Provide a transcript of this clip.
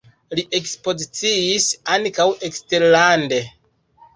Li ekspoziciis ankaŭ eksterlande.